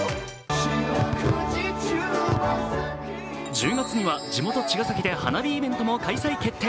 １０月には地元・茅ヶ崎で花火イベントも開催決定。